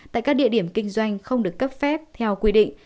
tại các địa điểm kinh doanh không được cấp phép theo quy định